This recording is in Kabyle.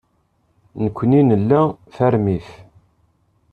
Nekkni nla tarmit.